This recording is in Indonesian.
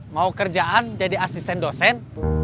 mau kerjaan jadi asisten dosen